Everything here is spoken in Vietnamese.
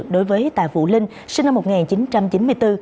đối với tà vũ linh sinh năm một nghìn chín trăm chín mươi năm